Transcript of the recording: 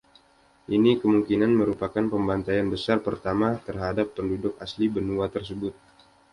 Ini kemungkinan merupakan pembantaian besar pertama terhadap penduduk asli benua tersebut.